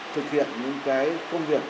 thực hiện những cái công việc